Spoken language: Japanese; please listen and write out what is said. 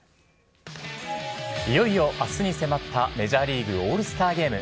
いよいよあすに迫ったメジャーリーグ・オールスターゲーム。